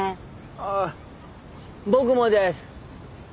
あっ僕もです。